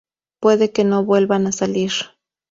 Puede que no vuelva a salir.